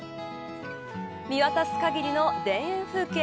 見渡すかぎりの田園風景。